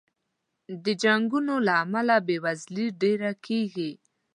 د جنګونو له امله بې وزلي ډېره کېږي.